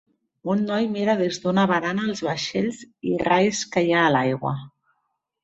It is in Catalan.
Un noi mira des d'una barana els vaixells i rais que hi ha l'aigua.